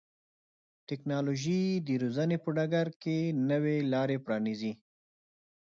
ټکنالوژي د روزنې په ډګر کې نوې لارې پرانیزي.